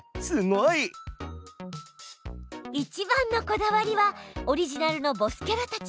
いちばんのこだわりはオリジナルのボスキャラたち。